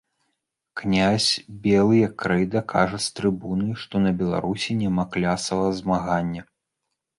Князь, белы, як крэйда, кажа з трыбуны, што на Беларусі няма клясавага змагання.